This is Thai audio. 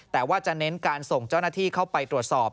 แต่ว่าจะเน้นการส่งเจ้าหน้าที่เข้าไปตรวจสอบ